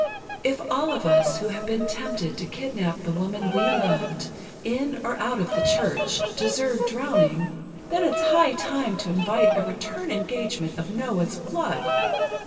If all of us who have been tempted to kidnap the woman we loved, in, or out of the Church, deserve drowning, then it's high time to invite a return engagement of Noah's flood.